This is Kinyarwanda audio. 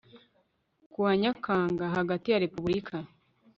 ku wa Nyakanga hagati ya Repubulika